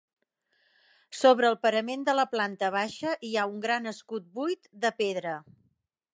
Sobre el parament de la planta baixa hi ha un gran escut buit de pedra.